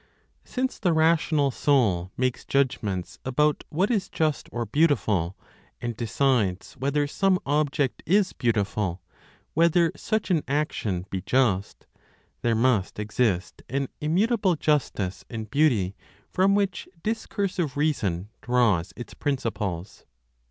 Since the rational soul makes judgments about what is just or beautiful, and decides whether some object is beautiful, whether such an action be just, there must exist an immutable justice and beauty from which discursive reason draws its principles.